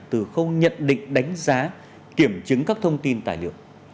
từ không nhận định đánh giá kiểm chứng các thông tin tài lược